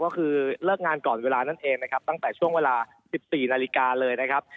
ก็คือเลิกงานก่อนเวลานั่นเองนะครับตั้งแต่ช่วงเวลา๑๔นาฬิกาเลยนะครับ